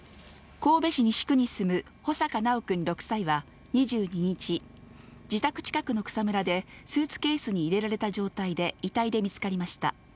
神戸市西区に住む穂坂修くん６歳は２２日、自宅近くの草むらでスーツケースに入れられた状態で、遺体で見つかりました。